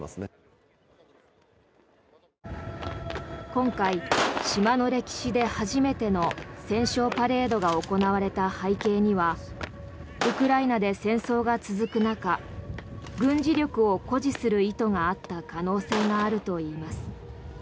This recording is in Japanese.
今回、島の歴史で初めての戦勝パレードが行われた背景にはウクライナで戦争が続く中軍事力を誇示する意図があった可能性があるといいます。